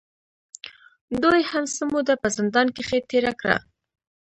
دوې هم څۀ موده پۀ زندان کښې تېره کړه